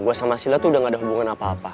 gue sama sila tuh udah gak ada hubungan apa apa